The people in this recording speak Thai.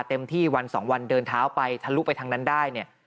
เต็มที่วันสองวันเดินท้าออกไปทะลุไปทางนั้นได้